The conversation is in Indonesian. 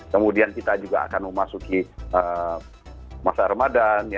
kemudian kita juga akan memasuki masa ramadan